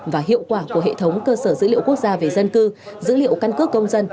và hiệu quả của hệ thống cơ sở dữ liệu quốc gia về dân cư dữ liệu căn cước công dân